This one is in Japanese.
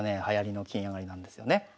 はやりの金上がりなんですよね。